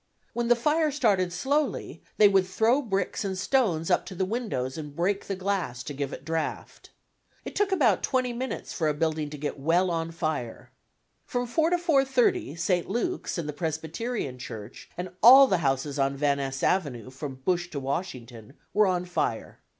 When the fire started slowly, they would throw bricks and stones up to the windows and break the glass to give it draught. It took about 20 minutes for a building to get well on fire. From 4 to 4:30 St. Luke's and the Presbyterian Church and all the houses on Van Ness Avenue from Bush to Washington were on fire.